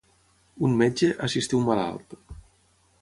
Un metge, assistir un malalt.